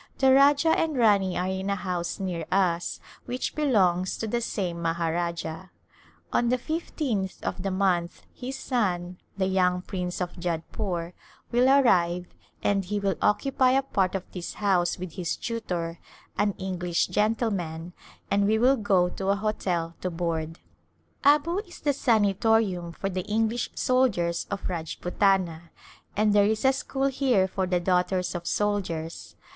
The Rajah and Rani are in a house near us which be longs to the same Maharajah. On the fifteenth of the month his son, the young Prince of Jodhpore, will arrive and he will occupy a part of this house with his tutor, an English gentleman, and we will go to a hotel to board. Abu is the sanitorium for the English soldiers of Rajputana, and there is a school here for the daughters of soldiers.